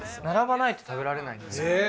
並ばないと食べられないんですよ。